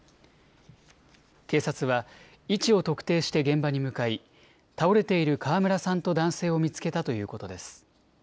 警察は位置を特定して現場に向かい倒れている川村さんと男性を見つけたということです。